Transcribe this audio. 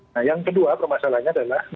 nah yang kedua permasalahannya adalah